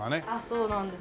そうなんです。